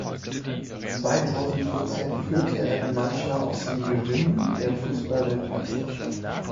Zweitausendvierzehn führte er die Mannschaft zum Gewinn der Fußball-Weltmeisterschaft.